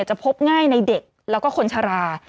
จะพบง่ายในเด็กและคนชรา